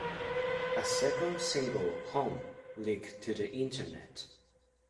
A second single "Home" leaked to the Internet.